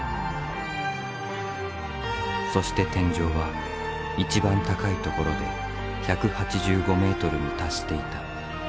そして天井は一番高い所で１８５ｍに達していた。